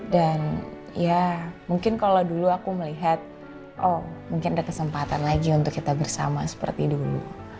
dan ya mungkin kalau dulu aku melihat oh mungkin ada kesempatan lagi untuk kita bersama seperti dulu